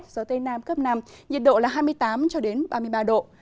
gió tây nam cấp năm nhiệt độ là hai mươi tám ba mươi ba độ